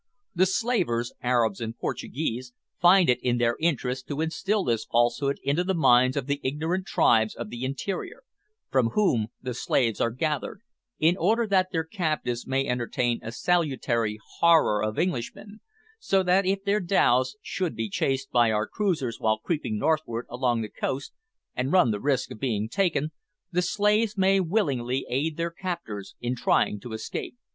The slavers Arabs and Portuguese find it in their interest to instil this falsehood into the minds of the ignorant tribes of the interior, from whom the slaves are gathered, in order that their captives may entertain a salutary horror of Englishmen, so that if their dhows should be chased by our cruisers while creeping northward along the coast and run the risk of being taken, the slaves may willingly aid their captors in trying to escape.